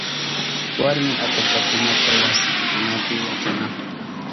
Warmi atallpakunaka wasinkunapi wachanahun.